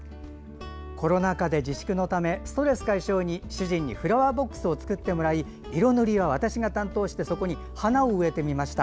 コロナ禍で自粛のためストレス解消に主人にフラワーボックスを作ってもらい色塗りは私が担当してそこに花を植えてみました。